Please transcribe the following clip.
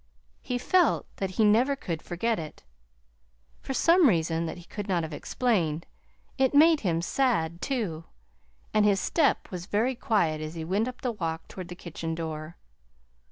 He felt that he never could forget it. For some reason that he could not have explained, it made him sad, too, and his step was very quiet as he went up the walk toward the kitchen door.